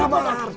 pukul terus pak